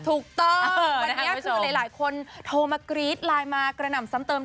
ถูกต้องวันนี้คือหลายคนโทรมากรี๊ดไลน์มากระหน่ำซ้ำเติม